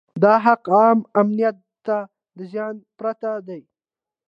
دا حق عامه امنیت ته د زیان پرته دی.